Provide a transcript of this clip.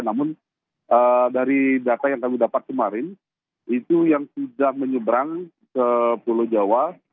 namun dari data yang kami dapat kemarin itu yang sudah menyeberang ke pulau jawa